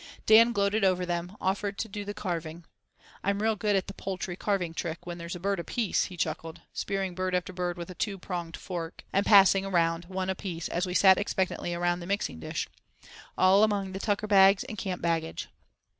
Dan, gloating over them, offered to "do the carving." "I'm real good at the poultry carving trick, when there's a bird apiece," he chuckled, spearing bird after bird with a two pronged fork, and passing round one apiece as we sat expectantly around the mixing dish, all among the tucker bags and camp baggage.